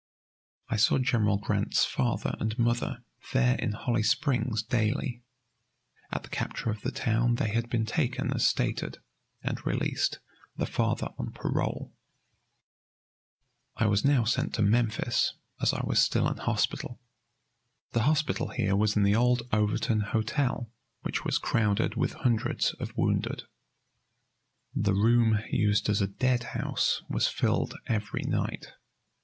I saw General Grant's father and mother there in Holly Springs daily. At the capture of the town they had been taken as stated, and released, the father on parole. I was now sent to Memphis, as I was still in hospital. The hospital here was in the old Overton Hotel, which was crowded with hundreds of wounded. The room used as a dead house was filled every night.